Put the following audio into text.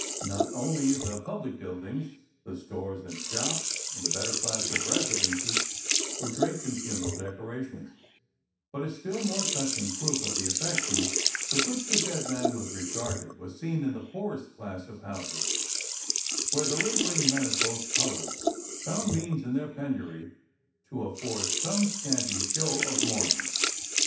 Not only the public buildings, the stores and shops, and the better class of residences were draped in funeral decorations, but a still more touching proof of the affection with which the dead man was regarded was seen in the poorest class of houses, where the laboring men of both colors found means in their penury to afford some scanty show of mourning.